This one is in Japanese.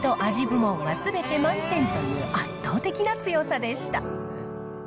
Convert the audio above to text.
部門はすべて満点という、圧倒的な強さでした。